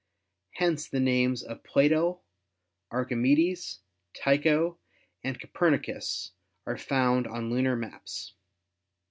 Hence the names of Plato, Archimedes, Tycho and Copernicus are found on lunar maps.